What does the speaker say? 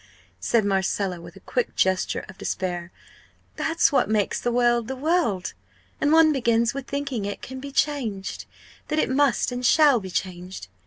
said Marcella, with a quick gesture of despair; "that's what makes the world the world. And one begins with thinking it can be changed that it must and shall be changed!